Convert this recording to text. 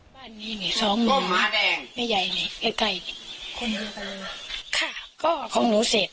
บ้านนี้นี่สองหมื่นหมาแดงนี่ใยนี่ไอ้ไก่นี่ค่ะก็ของหนูเสร็จ